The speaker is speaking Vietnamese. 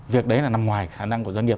việc đấy là nằm ngoài khả năng của doanh nghiệp